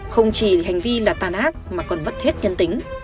không chỉ hành vi là tàn ác mà còn mất hết nhân tính